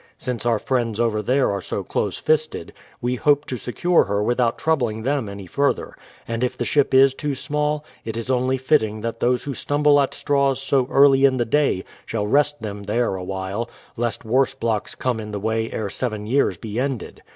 Since our friends over there are so close fisted, we hope to secure her without troubling them any further ; and if the ship is too small, it is only fitting that those who stumble at straws so early in the day, shall rest them there awhile, lest worse blocks come in the way ere seven years be ended.